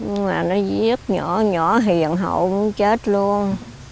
nhưng mà nó giết nhỏ nhỏ hiền hậu muốn chết luôn